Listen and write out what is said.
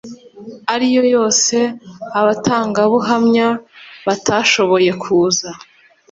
ariyo yose abatangabuhamya batashoboye kuza